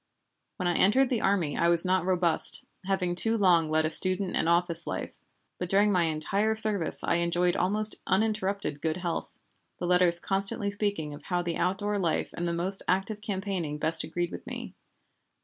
When I entered the army I was not robust, having too long led a student and office life, but during my entire service I enjoyed almost uninterrupted good health, the letters constantly speaking of how the outdoor life and the most active campaigning best agreed with me.